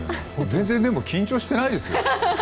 全然緊張してないですよ。